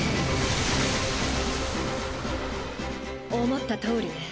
思ったとおりね。